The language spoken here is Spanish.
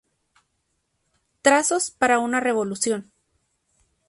Trazos para una Revolución".